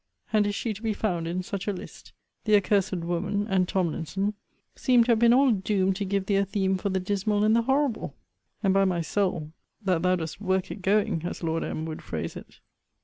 and is she to be found in such a list!] the accursed woman, and Tomlinson, seemed to have been all doomed to give thee a theme for the dismal and the horrible; and, by my soul, that thou dost work it going, as Lord M. would phrase it.